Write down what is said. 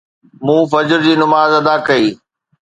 مون فجر جي نماز ادا ڪئي